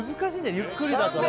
ゆっくりだとね